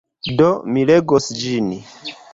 Do mi legos ĝin.